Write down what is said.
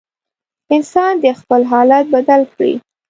انسان دې خپل حالت بدل کړي.